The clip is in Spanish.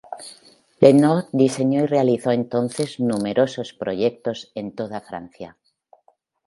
Le Nôtre diseñó y realizó entonces numerosos proyectos en toda Francia.